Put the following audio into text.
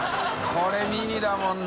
これミニだもんな。